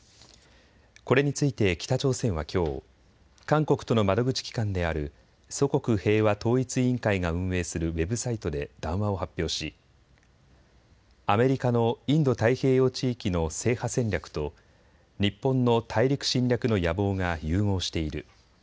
これについて北朝鮮はきょう韓国との窓口機関である祖国平和統一委員会が運営するウェブサイトで談話を発表しアメリカのインド太平洋地域の制覇戦略と日本の大陸侵略の野望が融合している。